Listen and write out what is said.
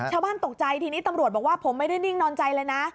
ชาวบ้านตกใจทีนี้ตำรวจบอกว่าผมไม่ได้นิ่งนอนใจเลยนะ